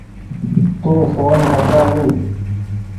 تو سون ڪترآ لي۔